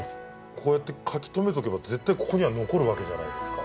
こうやって書き留めておけば絶対ここには残るわけじゃないですか。